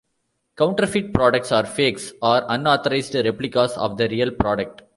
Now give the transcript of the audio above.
Counterfeit products are fakes or unauthorised replicas of the real product.